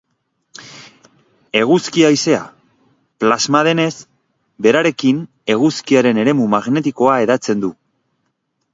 Eguzki haizea plasma denez, berarekin, eguzkiaren eremu magnetikoa hedatzen du.